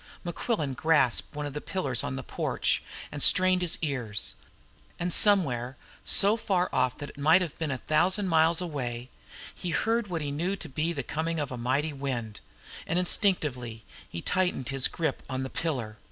Mequillen grasped one of the pillars of the porch and strained his ears. And somewhere, so far off that it might have been thousands of miles away, he heard what he knew to be the coming of a mighty wind, and instinctively he tightened his grip on the pillar.